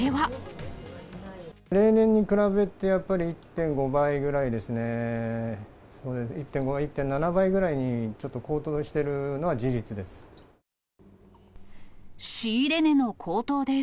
例年に比べて、やっぱり１．５倍ぐらいですね、そうですね、１．５、１．７倍ぐらいにちょっと高騰しているのは事実です。